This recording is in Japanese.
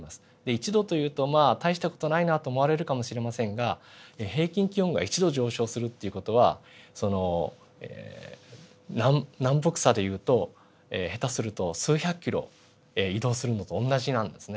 １℃というとまあ大した事ないなと思われるかもしれませんが平均気温が１℃上昇するっていう事はその南北差で言うと下手すると数百キロ移動するのとおんなじなんですね。